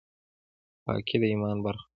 پاکي د ایمان برخه ده